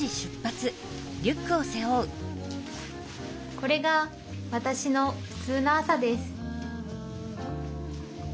これが私のふつうの朝です